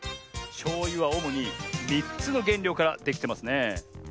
しょうゆはおもに３つのげんりょうからできてますね。